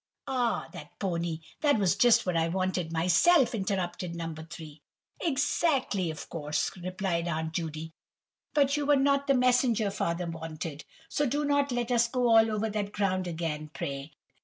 "Ah, that pony! That was just what I wanted myself," interrupted No. 3. "Exactly, of course," replied Aunt Judy. "But you were not the messenger father wanted, so do not let us go all over that ground again, pray.